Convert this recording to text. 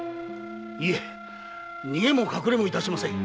いえ逃げも隠れも致しません。